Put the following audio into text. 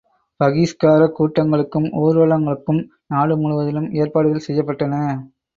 பகிஷ்காரக் கூட்டங்களுக்கும் ஊர்வலங்களுக்கும் நாடு முழுவதிலும் ஏற்பாடுகள் செய்யப்பட்டன.